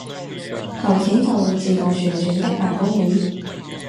投錢就會自動旋轉的辦公椅